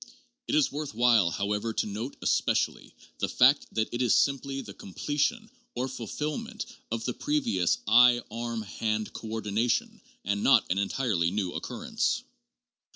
It is worth while, however, to note especially the fact that it is simply the completion, or fulfillment, of the previous eye arm hand coordination and not an entirely new occurrence.